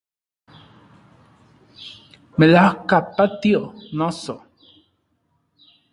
Melajka patio, noso